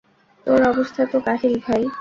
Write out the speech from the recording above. তোর অবস্থা তো কাহিল, ভাই!